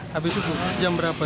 habis itu jam berapa